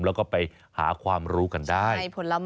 แล้วก็ไปหาความรู้กันได้